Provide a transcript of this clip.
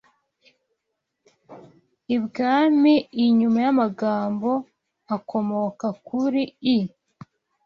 ibwami inyuma n’amagambo akomoka kuri i